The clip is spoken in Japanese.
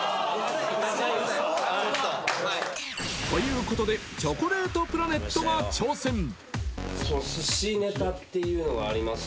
［ということでチョコレートプラネットが挑戦］